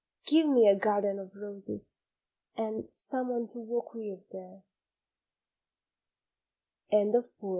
give me a garden of roses, And some one to walk with there.